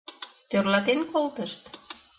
— Тӧрлатен колтышт?